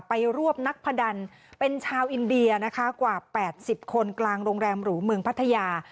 รวบนักพนันเป็นชาวอินเดียนะคะกว่า๘๐คนกลางโรงแรมหรูเมืองพัทยา